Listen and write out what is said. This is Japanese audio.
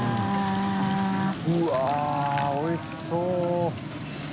うわぁおいしそう。